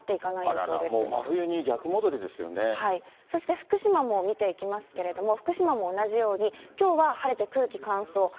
そして福島も見ていきますけれども、福島も同じように、きょうは晴れて空気乾燥。